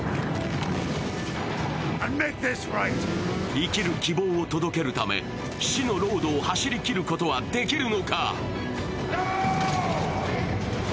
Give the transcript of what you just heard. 生きる希望を届けるため、死のロードを走りきることはできるのか。